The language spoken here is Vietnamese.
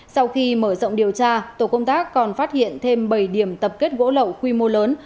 sau khi mở rộng điều tra tổ công tác còn phát hiện thêm bảy điểm tập kết gỗ lậu quy mô lớn